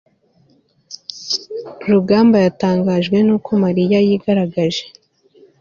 rugamba yatangajwe nuko mariya yigaragaje